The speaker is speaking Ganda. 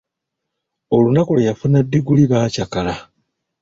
Olunaku lwe yafuna diguli baakyakala.